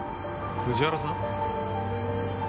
藤原さん！